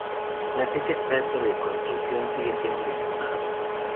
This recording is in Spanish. La fecha exacta de construcción sigue siendo disputada.